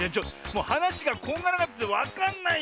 はなしがこんがらがっててわかんないよ！